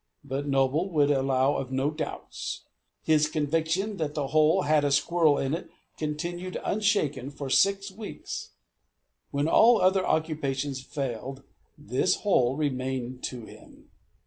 But Noble would allow of no doubts. His conviction that that hole had a squirrel in it continued unshaken for six weeks. When all other occupations failed, this hole remained to him.